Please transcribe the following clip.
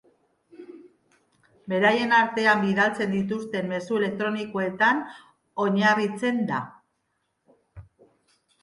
Beraien artean bidaltzen dituzten mezu elektronikoetan oinarritzen da.